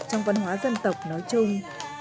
trong văn hóa dân tộc nói chung